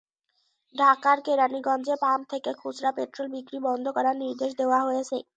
ঢাকার কেরানীগঞ্জে পাম্প থেকে খুচরা পেট্রল বিক্রি বন্ধ করার নির্দেশ দেওয়া হয়েছে।